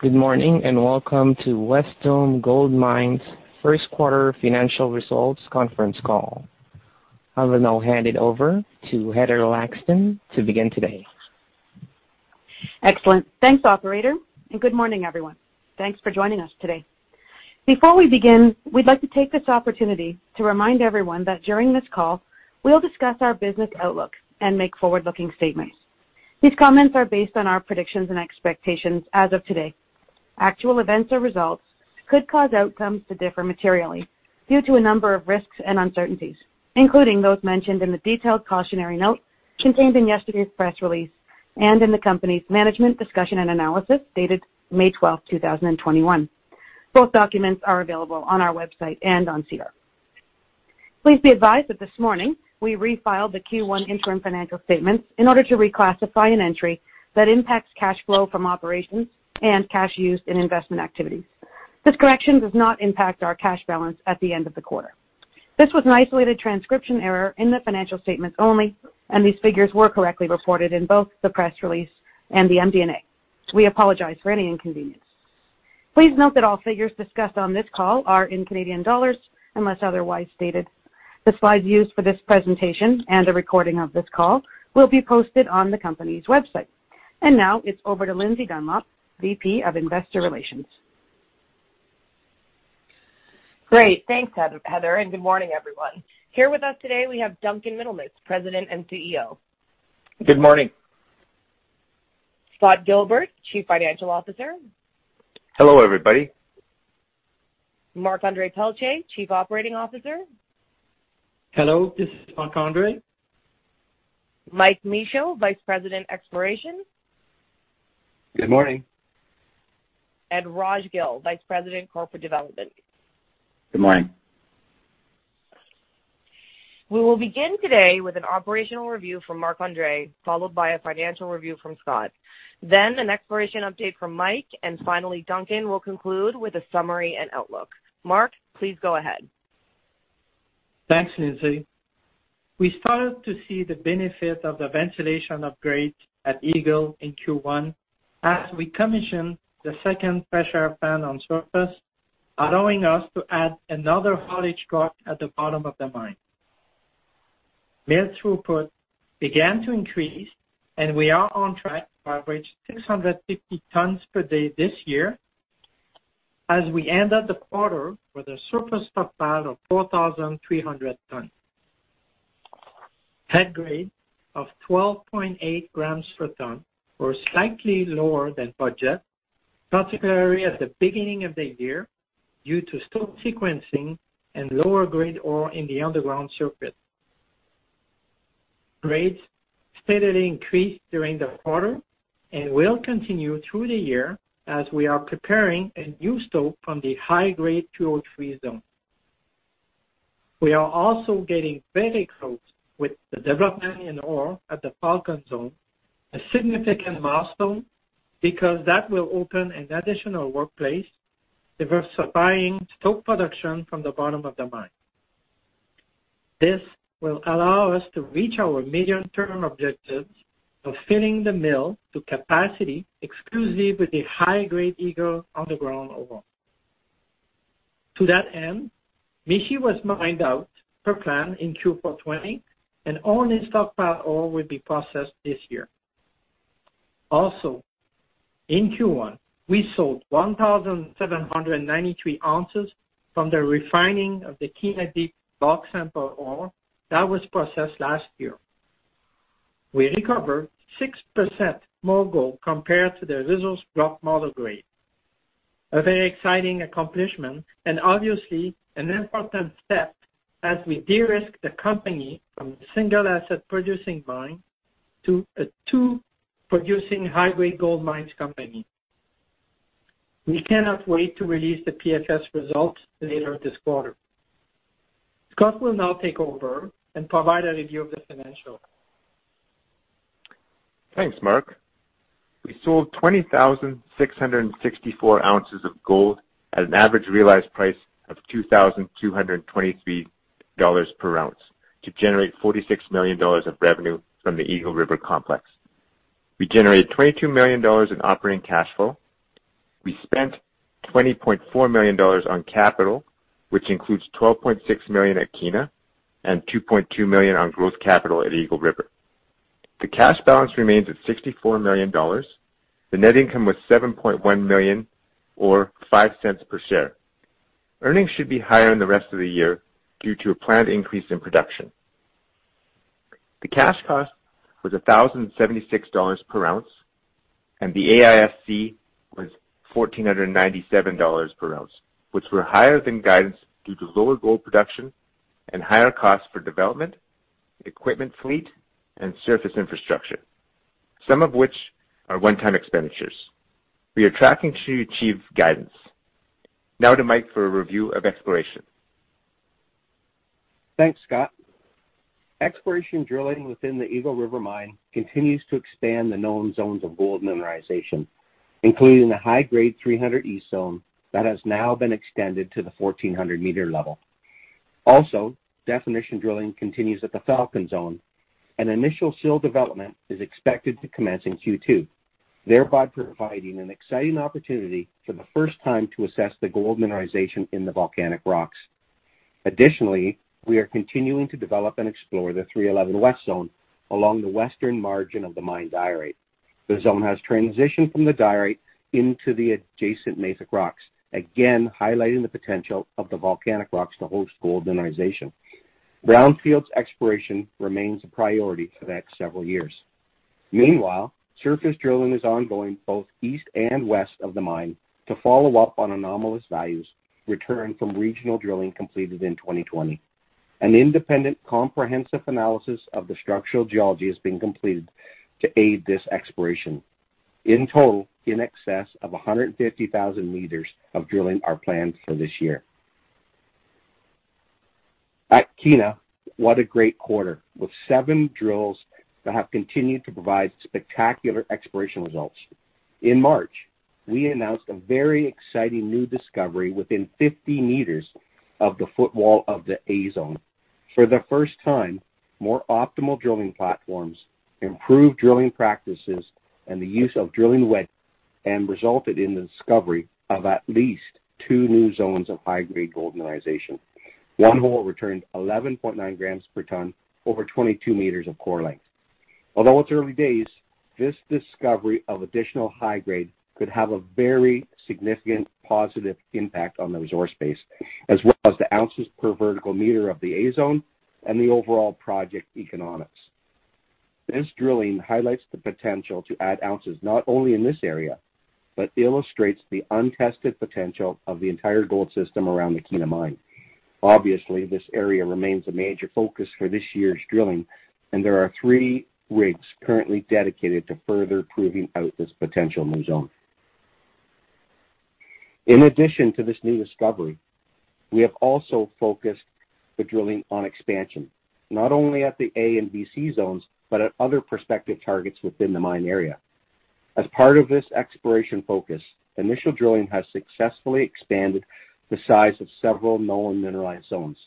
Good morning. Welcome to Wesdome Gold Mines' First Quarter Financial Results Conference Call. I will now hand it over to Heather Laxton to begin today. Excellent. Thanks, operator, and good morning, everyone. Thanks for joining us today. Before we begin, we'd like to take this opportunity to remind everyone that during this call, we'll discuss our business outlook and make forward-looking statements. These comments are based on our predictions and expectations as of today. Actual events or results could cause outcomes to differ materially due to a number of risks and uncertainties, including those mentioned in the detailed cautionary note contained in yesterday's press release and in the company's management discussion and analysis dated May 12th, 2021. Both documents are available on our website and on SEDAR. Please be advised that this morning, we refiled the Q1 interim financial statements in order to reclassify an entry that impacts cash flow from operations and cash used in investment activities. This correction does not impact our cash balance at the end of the quarter. This was an isolated transcription error in the financial statements only, and these figures were correctly reported in both the press release and the MD&A. We apologize for any inconvenience. Please note that all figures discussed on this call are in Canadian dollars, unless otherwise stated. The slides used for this presentation and a recording of this call will be posted on the company's website. Now it's over to Lindsay Dunlop, VP of Investor Relations. Great. Thanks, Heather, and good morning, everyone. Here with us today, we have Duncan Middlemiss, President and CEO. Good morning. Scott Gilbert, Chief Financial Officer. Hello, everybody. Marc-André Pelletier, Chief Operating Officer. Hello, this is Marc-André. Mike Michaud, Vice President, Exploration. Good morning. Raj Gill, Vice President, Corporate Development. Good morning. We will begin today with an operational review from Marc-André, followed by a financial review from Scott, then an exploration update from Mike, and finally, Duncan will conclude with a summary and outlook. Marc, please go ahead. Thanks, Lindsay. We started to see the benefit of the ventilation upgrade at Eagle in Q1 as we commissioned the second pressure fan on surface, allowing us to add another haulage drop at the bottom of the mine. Mill throughput began to increase, and we are on track to average 650 tons per day this year as we end the quarter with a surface stockpile of 4,300 tons. Head grade of 12.8 grams per ton were slightly lower than budget, particularly at the beginning of the year, due to stope sequencing and lower grade ore in the underground circuit. Grades steadily increased during the quarter and will continue through the year as we are preparing a new stope from the high-grade 203 Zone. We are also getting very close with the development in ore at the Falcon Zone, a significant milestone because that will open an additional workplace, diversifying stope production from the bottom of the mine. This will allow us to reach our medium-term objectives of filling the mill to capacity exclusively with the high-grade Eagle underground ore. To that end, Mishi was mined out per plan in Q4 2020, and all in-stock pile ore will be processed this year. Also, in Q1, we sold 1,793 ounces from the refining of the Kiena Deep block sample ore that was processed last year. We recovered 6% more gold compared to the resource block model grade. A very exciting accomplishment, and obviously an important step as we de-risk the company from a single asset producing mine to a two producing high-grade gold mines company. We cannot wait to release the PFS results later this quarter. Scott will now take over and provide a review of the financials. Thanks, Marc. We sold 20,664 ounces of gold at an average realized price of 2,223 dollars per ounce to generate 46 million dollars of revenue from the Eagle River complex. We generated 22 million dollars in operating cash flow. We spent 20.4 million dollars on capital, which includes 12.6 million at Kiena and 2.2 million on growth capital at Eagle River. The cash balance remains at 64 million dollars. The net income was 7.1 million or 0.05 per share. Earnings should be higher in the rest of the year due to a planned increase in production. The cash cost was 1,076 dollars per ounce, and the AISC was 1,497 dollars per ounce, which were higher than guidance due to lower gold production and higher costs for development, equipment fleet, and surface infrastructure, some of which are one-time expenditures. We are tracking to achieve guidance. To Mike for a review of exploration. Thanks, Scott. Exploration drilling within the Eagle River Mine continues to expand the known zones of gold mineralization, including the high-grade 300E Zone that has now been extended to the 1,400 meter level. Also, definition drilling continues at the Falcon Zone. An initial sill development is expected to commence in Q2, thereby providing an exciting opportunity for the first time to assess the gold mineralization in the volcanic rocks. Additionally, we are continuing to develop and explore the 311 West Zone along the western margin of the mine diorite. The zone has transitioned from the diorite into the adjacent mafic rocks, again, highlighting the potential of the volcanic rocks to host gold mineralization. Brownfields exploration remains a priority for the next several years. Meanwhile, surface drilling is ongoing both east and west of the mine to follow up on anomalous values returned from regional drilling completed in 2020. An independent comprehensive analysis of the structural geology has been completed to aid this exploration. In total, in excess of 150,000 meters of drilling are planned for this year. At Kiena, what a great quarter, with seven drills that have continued to provide spectacular exploration results. In March, we announced a very exciting new discovery within 50 meters of the footwall of the A Zone. For the first time, more optimal drilling platforms, improved drilling practices, and the use of directional drilling resulted in the discovery of at least two new zones of high-grade gold mineralization. One hole returned 11.9 grams per ton over 22 meters of core length. Although it's early days, this discovery of additional high-grade could have a very significant positive impact on the resource base, as well as the ounces per vertical meter of the A Zone and the overall project economics. This drilling highlights the potential to add ounces, not only in this area, but illustrates the untested potential of the entire gold system around the Kiena Mine. Obviously, this area remains a major focus for this year's drilling, and there are three rigs currently dedicated to further proving out this potential new zone. In addition to this new discovery, we have also focused the drilling on expansion, not only at the A and BC Zones, but at other prospective targets within the mine area. As part of this exploration focus, initial drilling has successfully expanded the size of several known mineralized zones.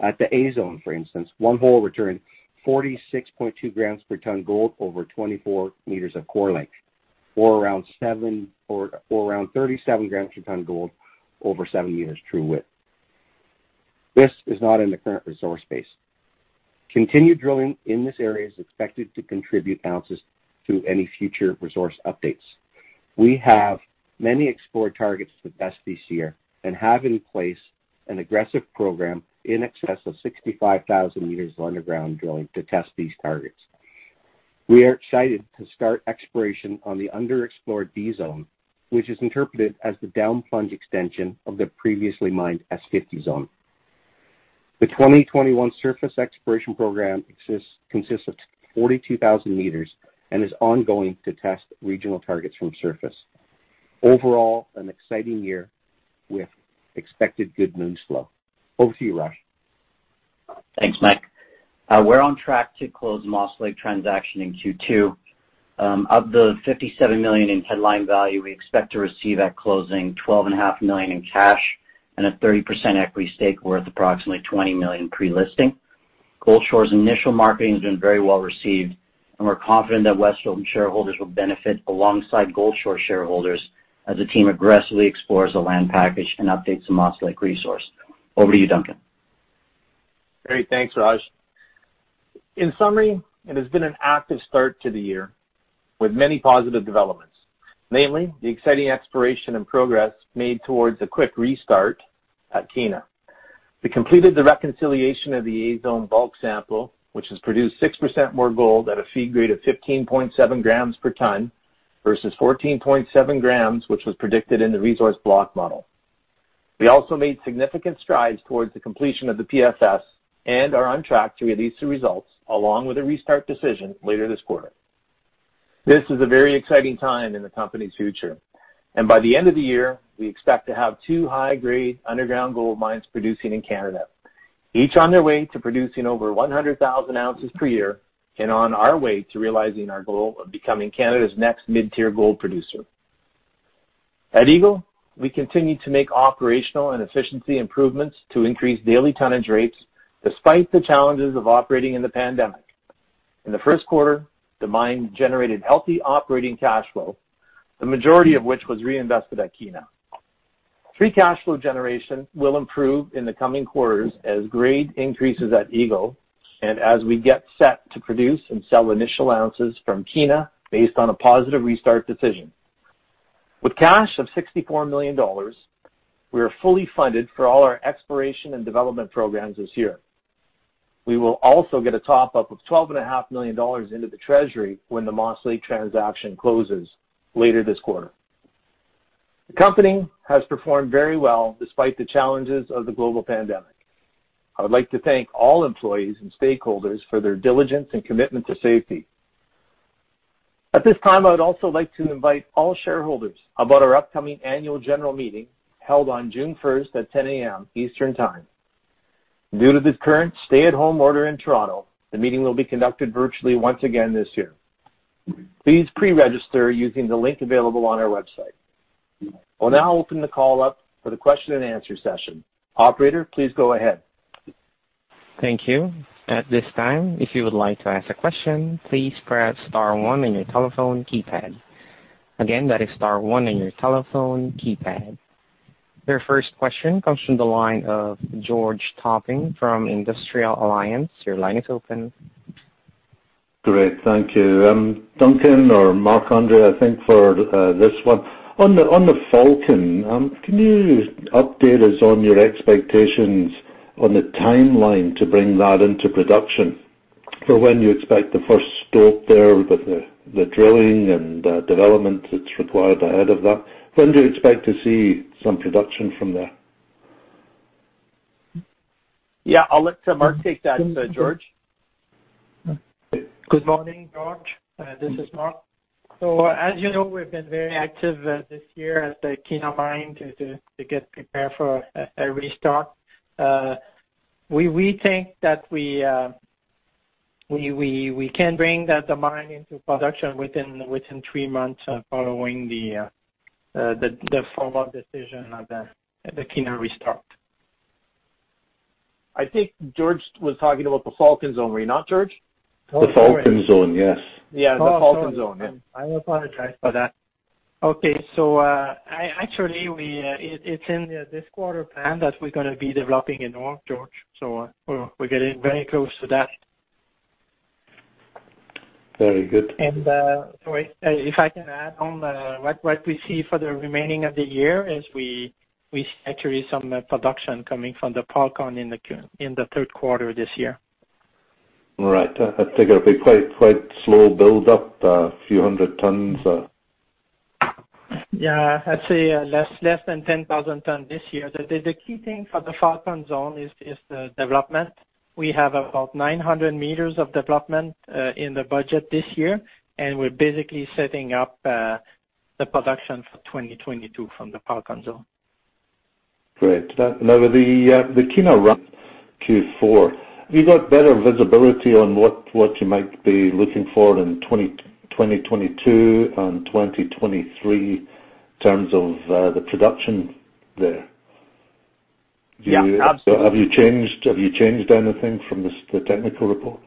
At the A Zone, for instance, one hole returned 46.2 grams per ton gold over 24 meters of core length, or around 37 grams per ton gold over seven meters true width. This is not in the current resource base. Continued drilling in this area is expected to contribute ounces to any future resource updates. We have many explore targets to test this year and have in place an aggressive program in excess of 65,000 meters of underground drilling to test these targets. We are excited to start exploration on the underexplored B Zone, which is interpreted as the down-plunge extension of the previously mined S50 Zone. The 2021 surface exploration program consists of 42,000 meters and is ongoing to test regional targets from surface. Overall, an exciting year with expected good news flow. Over to you, Raj. Thanks, Mike. We're on track to close Moss Lake transaction in Q2. Of the CAD 57 million in headline value, we expect to receive at closing CAD 12.5 million in cash and a 30% equity stake worth approximately CAD 20 million pre-listing. Goldshore's initial marketing has been very well-received, and we're confident that Wesdome shareholders will benefit alongside Goldshore shareholders as the team aggressively explores the land package and updates the Moss Lake resource. Over to you, Duncan. Great. Thanks, Raj. In summary, it has been an active start to the year with many positive developments. Mainly, the exciting exploration and progress made towards a quick restart at Kiena. We completed the reconciliation of the A Zone bulk sample, which has produced 6% more gold at a feed grade of 15.7 grams per ton versus 14.7 grams, which was predicted in the resource block model. We also made significant strides towards the completion of the PFS and are on track to release the results, along with a restart decision later this quarter. This is a very exciting time in the company's future. By the end of the year, we expect to have two high-grade underground gold mines producing in Canada, each on their way to producing over 100,000 ounces per year and on our way to realizing our goal of becoming Canada's next mid-tier gold producer. At Eagle, we continue to make operational and efficiency improvements to increase daily tonnage rates despite the challenges of operating in the pandemic. In the first quarter, the mine generated healthy operating cash flow, the majority of which was reinvested at Kiena. Free cash flow generation will improve in the coming quarters as grade increases at Eagle and as we get set to produce and sell initial ounces from Kiena based on a positive restart decision. With cash of 64 million dollars, we are fully funded for all our exploration and development programs this year. We will also get a top-up of 12.5 million dollars into the treasury when the Moss Lake transaction closes later this quarter. The company has performed very well despite the challenges of the global pandemic. I would like to thank all employees and stakeholders for their diligence and commitment to safety. At this time, I would also like to invite all shareholders about our upcoming annual general meeting held on June 1st at 10:00 A.M. Eastern Time. Due to the current stay-at-home order in Toronto, the meeting will be conducted virtually once again this year. Please pre-register using the link available on our website. We'll now open the call up for the question and answer session. Operator, please go ahead. Thank you. At this time, if you would like to ask a question, please press star one on your telephone keypad. Again, that is star one on your telephone keypad. Your first question comes from the line of George Topping from Industrial Alliance. Your line is open. Great. Thank you. Duncan or Marc-André, I think for this one. On the Falcon, can you update us on your expectations on the timeline to bring that into production for when you expect the first stope there with the drilling and the development that's required ahead of that? When do you expect to see some production from there? Yeah, I'll let Marc take that, George. Good morning, George. This is Marc. As you know, we've been very active this year at the Kiena Mine to get prepared for a restart. We think that we can bring the mine into production within three months following the formal decision of the Kiena restart. I think George was talking about the Falcon Zone, were you not, George? The Falcon Zone, yes. Yeah, the Falcon Zone. I apologize for that. Okay, actually it's in this quarter plan that we're going to be developing in the north, George, we're getting very close to that. Very good. Sorry, if I can add on, what we see for the remaining of the year is we see actually some production coming from the Falcon in the third quarter this year. All right. I think it'll be quite slow build up, a few hundred tons. Yeah, I'd say less than 10,000 ton this year. The key thing for the Falcon Zone is the development. We have about 900 meters of development in the budget this year, and we're basically setting up the production for 2022 from the Falcon Zone. Great. The Kiena ramp Q4, have you got better visibility on what you might be looking for in 2022 and 2023 in terms of the production there? Yeah, absolutely. Have you changed anything from the technical report?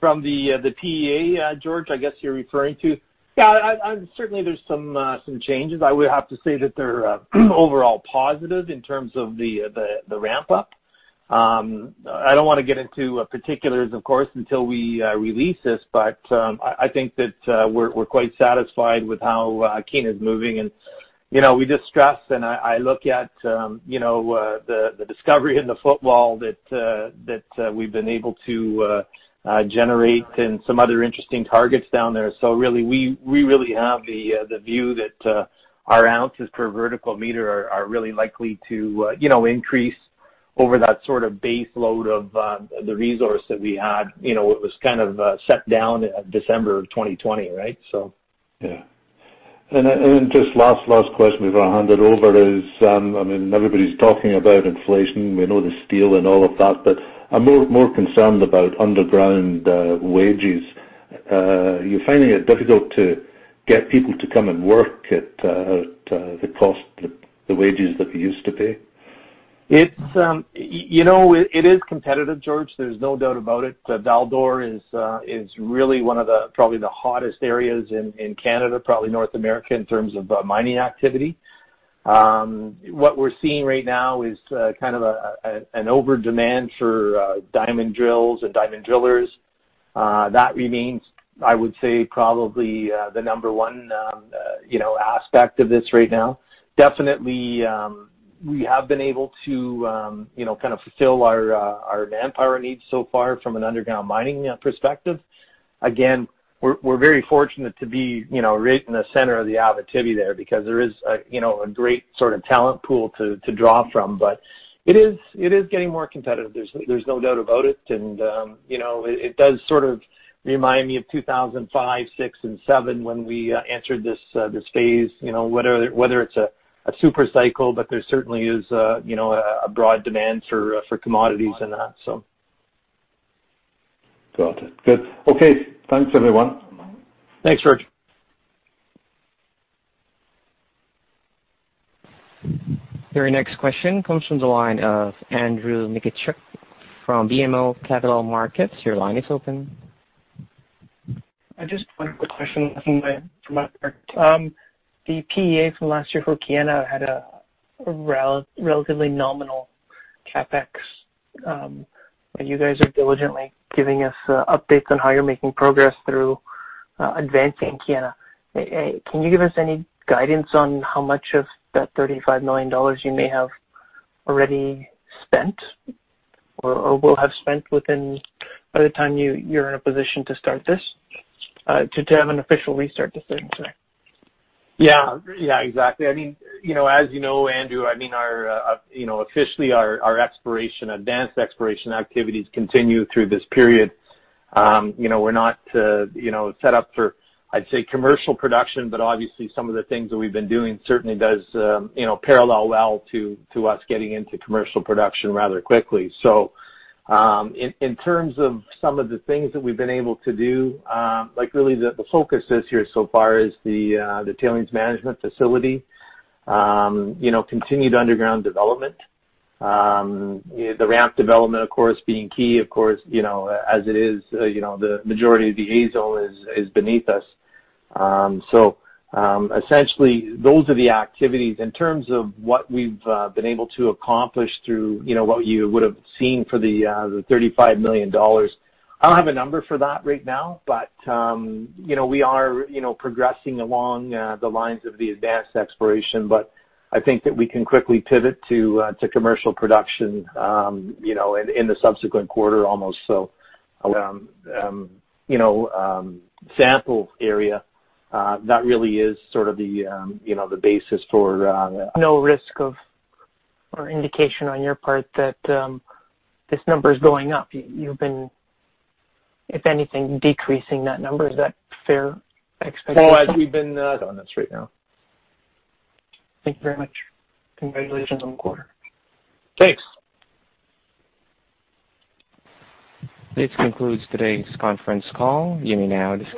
From the PEA, George, I guess you're referring to? Yeah, certainly there's some changes. I would have to say that they're overall positive in terms of the ramp up. I don't want to get into particulars, of course, until we release this, but I think that we're quite satisfied with how Kiena is moving, and we just stressed, and I look at the discovery in the footwall that we've been able to generate and some other interesting targets down there. Really, we really have the view that our ounces per vertical meter are really likely to increase over that sort of base load of the resource that we had. It was kind of set down December of 2020, right? Yeah. Just last question before I hand it over is, everybody's talking about inflation. We know the steel and all of that, but I'm more concerned about underground wages. Are you finding it difficult to get people to come and work at the cost, the wages that you used to pay? It is competitive, George. There's no doubt about it. Val-d'Or is really one of probably the hottest areas in Canada, probably North America, in terms of mining activity. What we're seeing right now is an overdemand for diamond drills and diamond drillers. That remains, I would say, probably the number one aspect of this right now. Definitely, we have been able to fulfill our manpower needs so far from an underground mining perspective. Again, we're very fortunate to be right in the center of the activity there because there is a great talent pool to draw from. It is getting more competitive, there's no doubt about it. It does sort of remind me of 2005, 2006, and 2007 when we entered this phase, whether it's a super cycle, but there certainly is a broad demand for commodities and that. Got it. Good. Okay. Thanks, everyone. Thanks, George. Your next question comes from the line of Andrew Mikitchook from BMO Capital Markets. Your line is open. I just have one quick question from my part. The PEA from last year for Kiena had a relatively nominal CapEx. You guys are diligently giving us updates on how you're making progress through advancing Kiena. Can you give us any guidance on how much of that 35 million dollars you may have already spent or will have spent by the time you're in a position to start this, to have an official restart decision? Yeah, exactly. As you know, Andrew, officially our advanced exploration activities continue through this period. We're not set up for, I'd say, commercial production. Obviously, some of the things that we've been doing certainly does parallel well to us getting into commercial production rather quickly. In terms of some of the things that we've been able to do, like really the focus is here so far is the tailings management facility, continued underground development. The ramp development, of course, being key, of course, as it is the majority of the A Zone is beneath us. Essentially, those are the activities in terms of what we've been able to accomplish through what you would've seen for the 35 million dollars. I don't have a number for that right now. We are progressing along the lines of the advanced exploration. I think that we can quickly pivot to commercial production in the subsequent quarter almost. Sample area, that really is sort of the basis. No risk of or indication on your part that this number's going up. You've been, if anything, decreasing that number. Is that fair expectation? Well, we've been on this right now. Thank you very much. Congratulations on the quarter. Thanks. This concludes today's conference call. You may now disconnect.